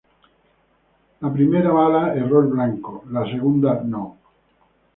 La primera bala erró el blanco, la segunda no.